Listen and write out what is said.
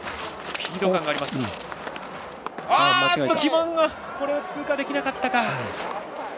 あっと旗門を通過できなかったか。